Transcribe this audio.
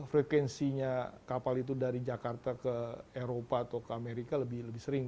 jadi frekuensinya kapal itu dari jakarta ke eropa atau ke amerika lebih sering